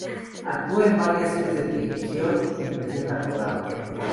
Actúa en varias series de televisión y presenta programas.